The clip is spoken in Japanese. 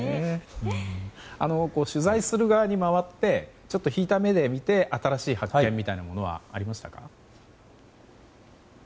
取材する側に回って引いた目で見て新しい発見みたいなものはありましたか？